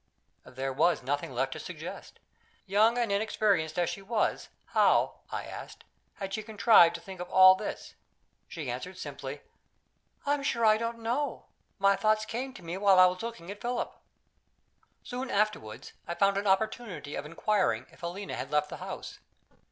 There was nothing left to suggest. Young and inexperienced as she was, how (I asked) had she contrived to think of all this? She answered, simply "I'm sure I don't know; my thoughts came to me while I was looking at Philip." Soon afterward I found an opportunity of inquiring if Helena had left the house.